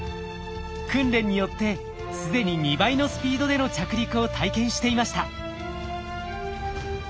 訓練によって既に２倍のスピードでの着陸を体験していました。